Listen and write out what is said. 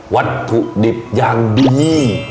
วัตถุดิบอย่างดี